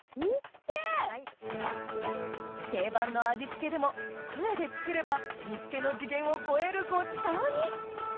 定番の味付けでもクエで作れば煮付けの次元を超えるごちそうに！